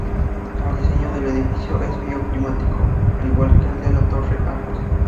El diseño del edificio es bioclimático al igual que el de la torre Argos.